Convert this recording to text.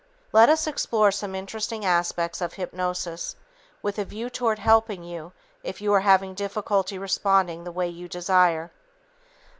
Let us explore some interesting aspects of hypnosis with a view toward helping you if you are having difficulty responding the way you desire.